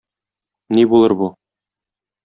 Ни булыр бу?